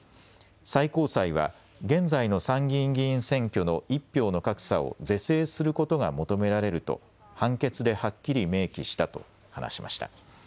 最高裁は現在の参議院議員選挙の１票の格差を是正することが求められると判決ではっきり明記したと話しました。